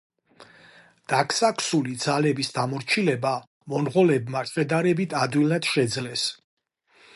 დაქსაქსული ძალების დამორჩილება მონღოლებმა შედარებით ადვილად შეძლეს.